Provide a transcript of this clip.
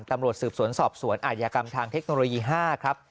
ตำรวจสืบสวนสอบสวนอาจยากรรมทางเทคโนโลยี๕ครับ